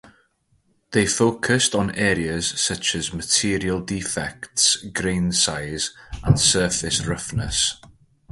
They focussed on areas such as material defects, grain size and surface roughness.